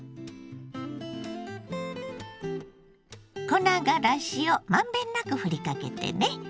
粉がらしをまんべんなくふりかけてね。